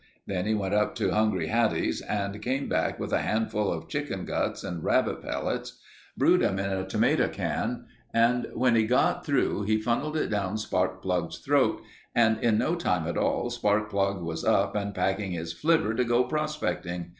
Then he went up to Hungry Hattie's and came back with a handful of chicken guts and rabbit pellets; brewed 'em in a tomato can and when he got through he funneled it down Sparkplug's throat and in no time at all Sparkplug was up and packing his flivver to go prospecting.